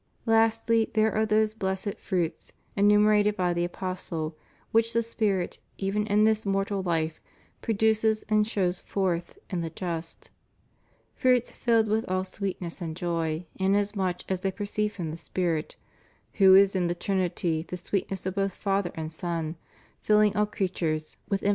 Lastly there are those blessed fruits, eniunerated by the Apostle,' which the Spirit, even in this mortal life, produces and shows forth in the just; fruits filled with all sweetness and joy, inasmuch as they proceed from the Spirit, "who is in the Trinity the sweetness of both Father and Son, filling all creatures with infinite ' Summ.